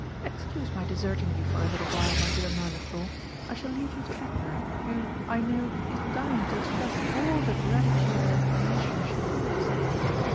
Excuse my deserting you for a little while, my dear Mirliflor. I shall leave you to Edna, who, I know, is dying to express all the gratitude and admiration she feels."